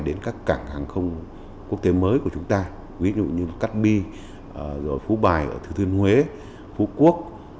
đến các cảng hàng không quốc tế mới của chúng ta ví dụ như cát bi phú bài ở thứ thương huế phú quốc